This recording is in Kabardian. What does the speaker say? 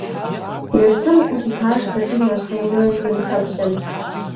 Ерстэм гу лъитащ Батыр нэщхъейуэ зэрыхэплъэм.